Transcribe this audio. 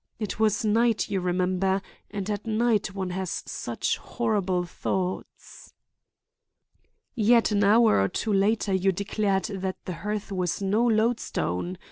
It was night, you remember, and at night one has such horrible thoughts." "Yet an hour or two later you declared that the hearth was no lodestone.